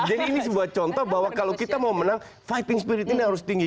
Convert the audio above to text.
jadi ini sebuah contoh bahwa kalau kita mau menang keadaan pertempuran ini harus tinggi